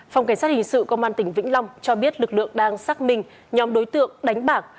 phòng cảnh sát hình sự công an tỉnh vĩnh long cho biết lực lượng đang xác minh nhóm đối tượng đánh bạc